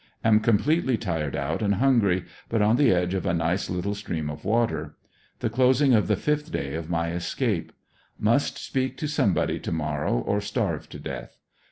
Am completely tired out and hungry, but on the edge of a nice little stream of water. The closing of the fifth day of my escape. Must speak to somebody to morrow, or starve to death.